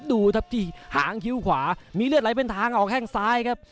ดูครับที่หางคิ้วขวามีเลือดไหลเป็นทางออกแข้งซ้ายครับ